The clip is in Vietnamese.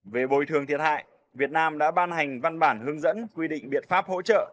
về bồi thường thiệt hại việt nam đã ban hành văn bản hướng dẫn quy định biện pháp hỗ trợ